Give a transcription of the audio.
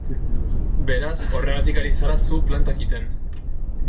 Beraz, horregatik ari zara zu plantak egiten.